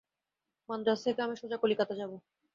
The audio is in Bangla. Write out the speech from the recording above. মান্দ্রাজ থেকে আমি সোজা কলিকাতা যাব।